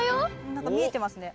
何か見えてますね